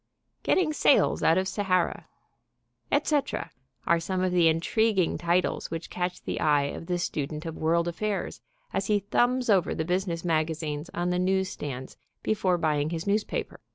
"Getting Sales Out of Sahara," etc., are some of the intriguing titles which catch the eye of the student of world affairs as he thumbs over the business magazines on the news stands before buying his newspaper.